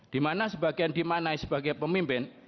dimana sebagian dimaknai sebagai pemimpin